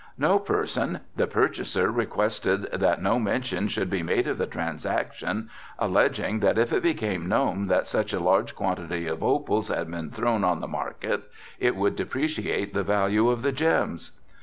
"No person, the purchaser requested that no mention should be made of the transaction, alleging that if it became known that such a large quantity of opals had been thrown on the market it would depreciate the value of the gems."